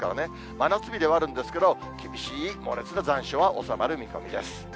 真夏日ではあるんですけれども、厳しい猛烈な残暑は収まる見込みです。